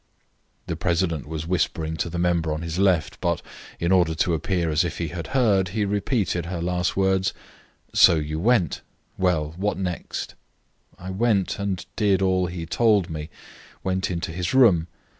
The president was whispering to the member on his left, but, in order to appear as if he had heard, he repeated her last words. "So you went. Well, what next?" "I went, and did all he told me; went into his room.